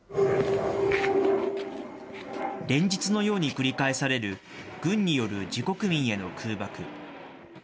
連日のように繰り返される、軍による自国民への空爆。